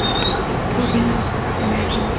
څوک نه وو چې پوښتنه وکړي.